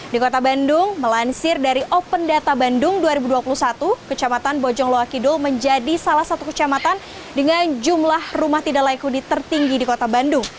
di kota bandung melansir dari open data bandung dua ribu dua puluh satu kecamatan bojong loakidul menjadi salah satu kecamatan dengan jumlah rumah tidak layak huni tertinggi di kota bandung